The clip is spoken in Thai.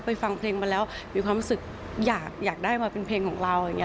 ฟังเพลงมาแล้วมีความรู้สึกอยากได้มาเป็นเพลงของเราอย่างนี้